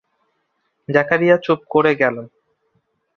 জাকারিয়া চুপ করে গেলেন।